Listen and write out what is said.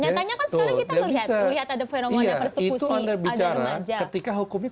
nyatanya kan sekarang kita lihat